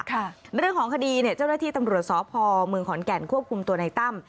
เรื่องของคดีเนี่ยเจ้าหน้าที่ตำรวจสพเมืองขอนแก่นควบคุมตัวในตั้ม